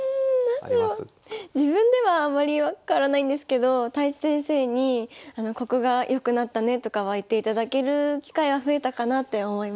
自分ではあまり分からないんですけど太地先生にここが良くなったねとかは言っていただける機会は増えたかなって思います。